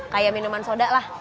kayak minuman soda lah